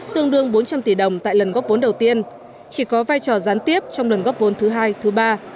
tương đương bốn trăm linh tỷ đồng tại lần góp vốn đầu tiên chỉ có vai trò gián tiếp trong lần góp vốn thứ hai thứ ba